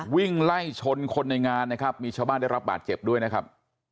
วิ่งไล่ชนคนในงานนะครับมีชาวบ้านได้รับบาดเจ็บด้วยนะครับ